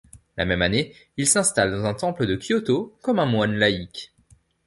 La même année, il s'installe dans un temple de Kyoto comme un moine laïque.